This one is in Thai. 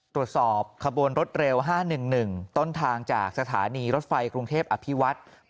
ตรวจสอบขบวนรถเร็วห้าหนึ่งหนึ่งต้นทางจากสถานีรถไฟกรุงเทพอภิวัตร